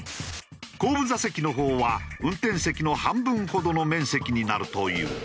後部座席のほうは運転席の半分ほどの面積になるという。